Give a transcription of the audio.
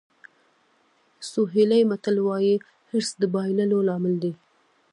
سوهیلي متل وایي حرص د بایللو لامل دی.